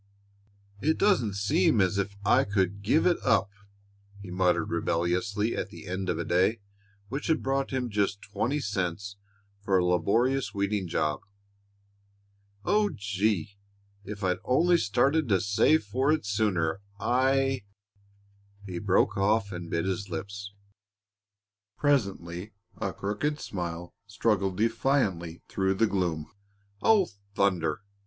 "It doesn't seem as if I could give it up!" he muttered rebelliously at the end of a day which had brought him just twenty cents for a laborious weeding job. "Oh, gee! If I'd only started to save for it sooner, I " He broke off and bit his lips. Presently a crooked smile struggled defiantly through the gloom. "Oh, thunder!"